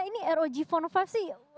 ini rog phone lima sih